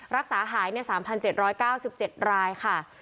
รักษาหาย๓๗๙๗รายค่ะ